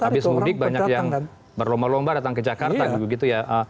habis mudik banyak yang berlomba lomba datang ke jakarta